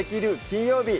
金曜日」